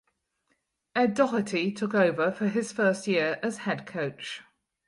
Ed Doherty took over for his first year as head coach.